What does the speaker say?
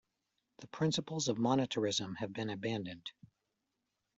The principles of monetarism have been abandoned.